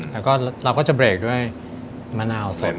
แล้วก็จะเบรกด้วยปิ้งะมะนาวสด